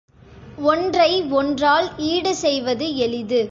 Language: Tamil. ஒன்றை ஒன்றால் ஈடுசெய்வது எளிது.